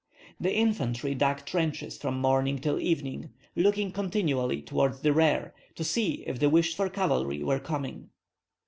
The infantry dug trenches from morning till evening, looking continually toward the rear to see if the wished for cavalry were coming.